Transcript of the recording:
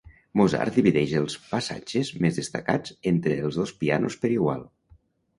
Mozart divideix els passatges més destacats entre els dos pianos per igual.